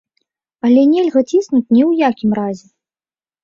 Але нельга ціснуць ні ў якім разе.